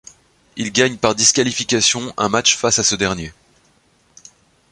Il gagne par disqualification un match face à ce dernier.